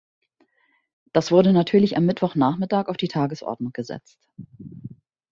Das würde natürlich am Mittwoch nachmittag auf die Tagesordnung gesetzt.